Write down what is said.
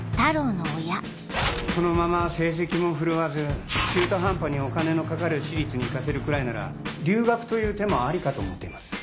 このまま成績も振るわず中途半端にお金のかかる私立に行かせるくらいなら留学という手もありかと思っています。